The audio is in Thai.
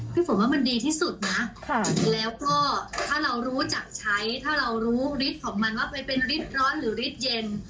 ฝนว่ามันดีที่สุดนะแล้วก็ถ้าเรารู้จักใช้ถ้าเรารู้ฤทธิ์ของมันว่าไปเป็นฤทธิร้อนหรือฤทธิ์เย็น